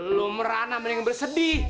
lu merana mending bersedih